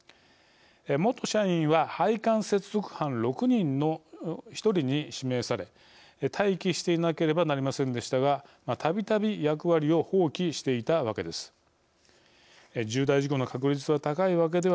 元社員は配管接続班６人の１人に指名され待機していなければなりませんでしたがたびたび役割を放棄していたわけです。